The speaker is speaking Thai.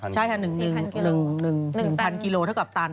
ใช่ค่ะ๑๐๐กิโลเท่ากับตัน